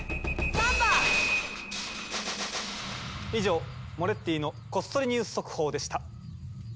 以上「モレッティのこっそりニュース速報」でした。